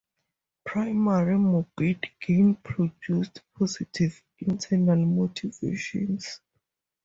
Primary morbid gain produces positive internal motivations.